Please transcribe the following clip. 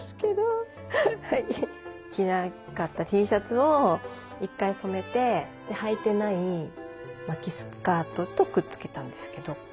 着なかったＴシャツを一回染めてはいてない巻きスカートとくっつけたんですけど。